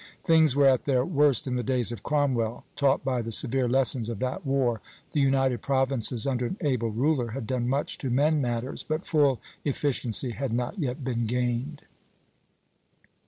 Things were at their worst in the days of Cromwell. Taught by the severe lessons of that war, the United Provinces, under an able ruler, had done much to mend matters, but full efficiency had not yet been gained.